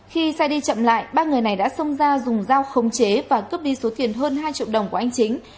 khi xe đi chậm lại ba người này đã xông ra dùng dao khống chế và cướp đi số tiền hơn hai triệu đồng của anh chính